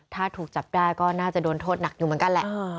ถ้าถูกจับได้ก็น่าจะโดนโทษหนักอยู่เหมือนกันแหละ